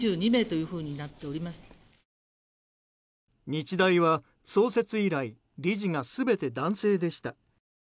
日大は創設以来理事が全て男性でした。